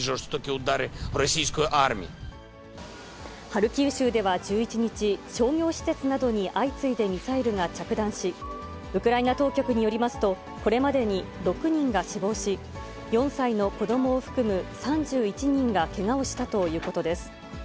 ハルキウ州では１１日、商業施設などに相次いでミサイルが着弾し、ウクライナ当局によりますと、これまでに６人が死亡し、４歳の子どもを含む３１人がけがをしたということです。